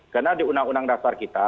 karena di undang undang dasar kita